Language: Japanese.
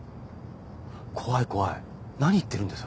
怖い怖い何言ってるんです？